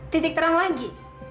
titik terang lagi